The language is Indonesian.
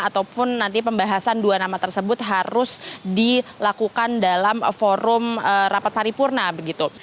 ataupun nanti pembahasan dua nama tersebut harus dilakukan dalam forum rapat paripurna begitu